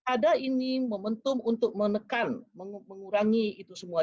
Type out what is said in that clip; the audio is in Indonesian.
ada ini momentum untuk menekan mengurangi itu semua